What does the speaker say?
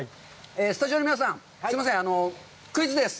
スタジオの皆さん、すいません、クイズです。